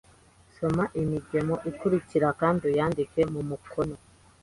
Soma imigemo ikurikira kandi uyandike mu mukono